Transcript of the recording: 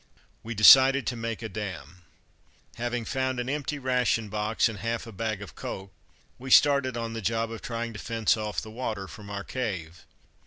We decided to make a dam. Having found an empty ration box and half a bag of coke, we started on the job of trying to fence off the water from our cave.